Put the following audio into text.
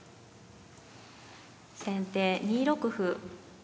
先手２六歩。